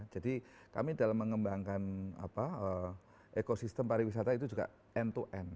jadi kami dalam mengembangkan ekosistem pariwisata itu juga end to end